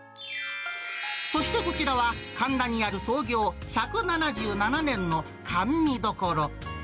そしてこちらは、神田にある創業１７７年の甘味処。